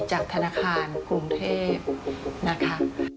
จากธนาคารกรุงเทพนะคะ